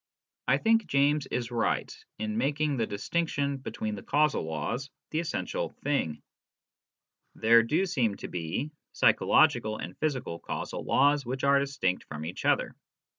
I think James is right in making the distinction between the causal laws the essential thing. There do seem to be psychological and physical causal laws which are distinct from each other.